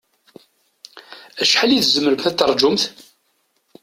Acḥal i tzemremt ad taṛǧumt?